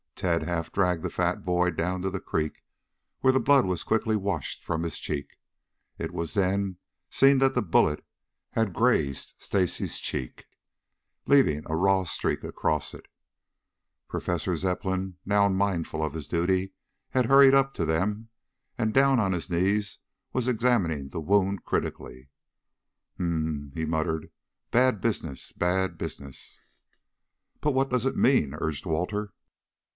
Tad half dragged the fat boy down to the creek where the blood was quickly washed from his cheek. It was then seen that a bullet had grazed Stacy's cheek, leaving a raw streak across it. Professor Zepplin, now mindful of his duty, had hurried up to them, and down on his knees was examining the wound critically. "Hm m m!" he muttered. "Bad business, bad business!" "But what does it mean?" urged Walter.